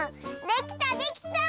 できたできた！